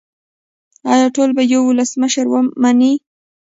آیا ټول یو ولسمشر مني؟